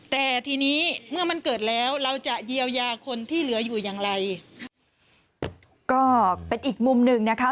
แต่ทีนี้เมื่อมันเกิดแล้วเราจะเยียวยาคนที่เหลืออยู่อย่างไรก็เป็นอีกมุมหนึ่งนะคะ